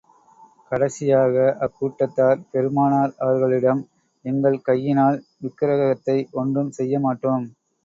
கடைசியாக, அக்கூட்டத்தார் பெருமானார் அவர்களிடம், எங்கள் கையினால், விக்கிரகத்தை ஒன்றும் செய்ய மாட்டோம்.